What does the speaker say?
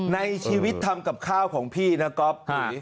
ในชีวิตทำกับข้าวของพี่นะครับ